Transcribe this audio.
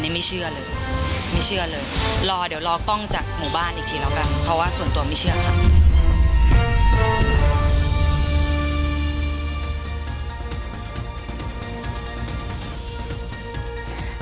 นี่ไม่เชื่อเลยไม่เชื่อเลยรอเดี๋ยวรอกล้องจากหมู่บ้านอีกทีแล้วกันเพราะว่าส่วนตัวไม่เชื่อค่ะ